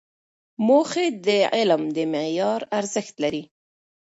موخې د علم د معیار ارزښت لري.